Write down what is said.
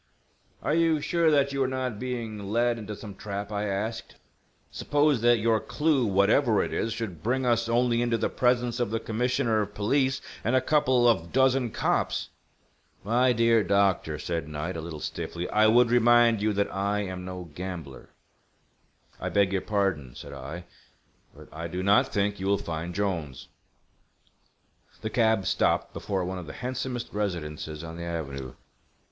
"Are you sure that you are not being led into some trap?" I asked. "Suppose that your clue, whatever it is, should bring us only into the presence of the Commissioner of Police and a couple of dozen cops!" "My dear doctor," said Knight, a little stiffly. "I would remind you that I am no gambler." "I beg your pardon," said I. "But I do not think you will find Jolnes." The cab stopped before one of the handsomest residences on the avenue.